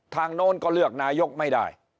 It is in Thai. โน้นก็เลือกนายกไม่ได้